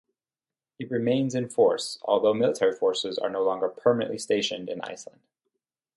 it remains in force, although military forces are no longer permanently stationed in Iceland.